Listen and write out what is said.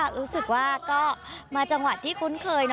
รู้สึกว่าก็มาจังหวัดที่คุ้นเคย